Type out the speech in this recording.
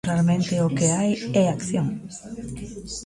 Realmente o que hai é acción.